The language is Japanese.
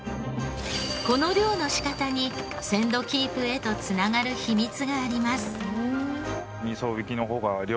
この漁の仕方に鮮度キープへと繋がる秘密があります。